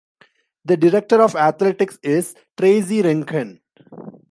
The Director of Athletics is Tracy Renken.